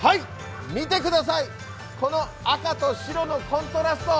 見てください、赤と白のコントラスト！